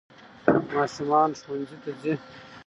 ماشومان ښونځي ته ځي